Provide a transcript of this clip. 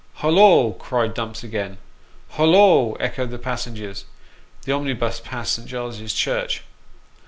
" Hollo !" cried Dumps again. " Hollo !" echoed the passengers. The omnibus passed Saint Giles's Church.